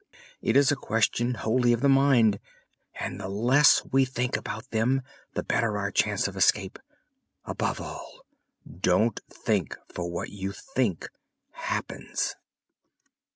It is a question wholly of the mind, and the less we think about them the better our chance of escape. Above all, don't think, for what you think happens!"